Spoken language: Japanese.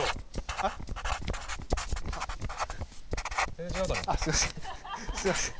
あっすいません。